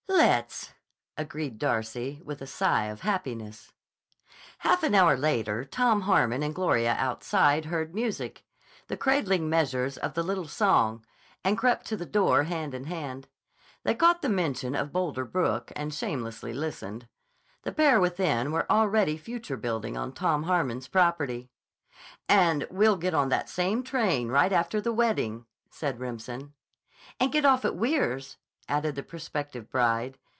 "Let's," agreed Darcy with a sigh of happiness. Half an hour later Tom Harmon and Gloria outside heard music, the cradling measures of the little song, and crept to the door hand in hand. They caught the mention of Boulder Brook and shamelessly listened. The pair within were already future building on Tom Harmon's property. "And we'll get on that same train right after the wedding," said Remsen. "And get off at Weirs," added the prospective bride.